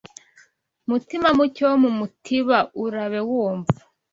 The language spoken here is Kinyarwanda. Mutimamuke wo mu mutiba urabe wumva